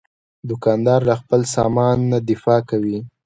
دوکاندار له خپل سامان نه دفاع کوي.